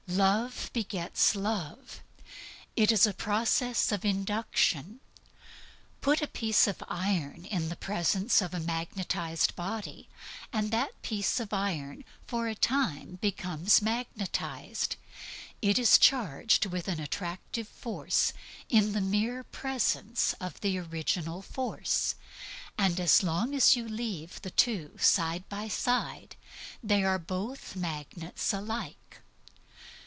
Love begets love. It is a process of induction. Put a piece of iron in the presence of an electrified body, and that piece of iron for a time becomes electrified. It is changed into a temporary magnet in the mere presence of a permanent magnet, and as long as you leave the two side by side, they are both magnets alike.